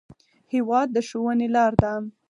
هېواد د ښوونې لار ده.